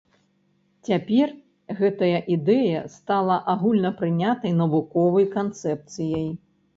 Цяпер гэтая ідэя стала агульнапрынятай навуковай канцэпцыяй.